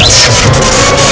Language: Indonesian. dan dengan luas